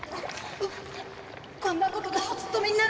こんなことがお勤めになるのかしら？